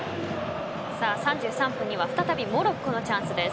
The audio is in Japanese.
３３分には再びモロッコのチャンスです。